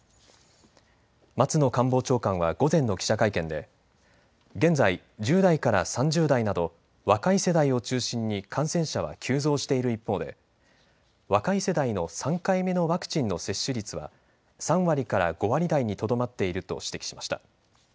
松野官房長官は午前の記者会見で現在、１０代から３０代など若い世代を中心に感染者は急増している一方で若い世代の３回目のワクチンの接種率は３割から５割台にとどまっていると指摘しました。